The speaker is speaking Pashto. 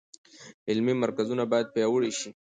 علمي مرکزونه باید پیاوړي شي.